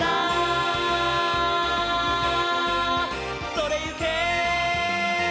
「それゆけ！」